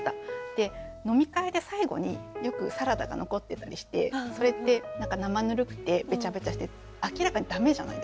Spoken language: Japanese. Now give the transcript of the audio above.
で飲み会で最後によくサラダが残ってたりしてそれって何か生ぬるくてべちゃべちゃして明らかに駄目じゃないですか。